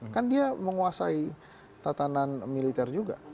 kan dia menguasai tatanan militer juga